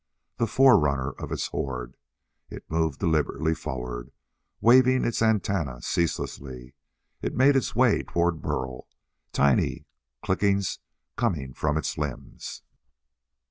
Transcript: The forerunner of its horde, it moved deliberately forward, waving its antennae ceaselessly. It made its way toward Burl, tiny clickings coming from its limbs.